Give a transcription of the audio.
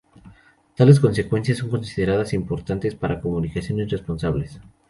Tales consecuencias son consideraciones importantes para comunicaciones responsables.